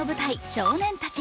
「少年たち」。